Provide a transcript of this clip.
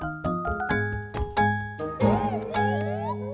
kau juga abis happily